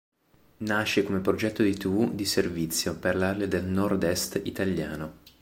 Nasce come progetto di tv di servizio per l'area del Nord-est italiano.